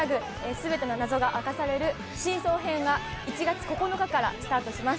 全ての謎が明かされる真相編が１月９日からスタートします。